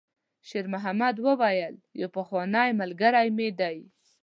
شېرمحمد وویل: «یو پخوانی ملګری مې دی.»